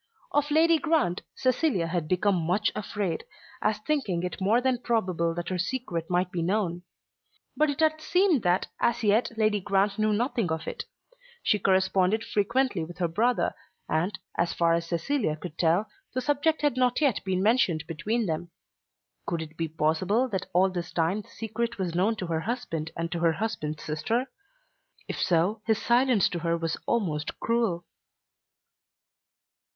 Of Lady Grant Cecilia had become much afraid, as thinking it more than probable that her secret might be known. But it had seemed that as yet Lady Grant knew nothing of it. She corresponded frequently with her brother, and, as far as Cecilia could tell, the subject had not yet been mentioned between them. Could it be possible that all this time the secret was known to her husband and to her husband's sister? If so his silence to her was almost cruel.